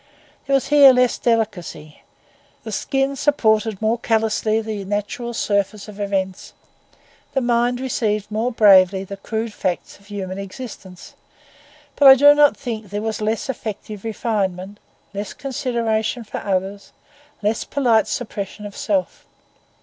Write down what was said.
There was here less delicacy; the skin supported more callously the natural surface of events, the mind received more bravely the crude facts of human existence; but I do not think that there was less effective refinement, less consideration for others, less polite suppression of self.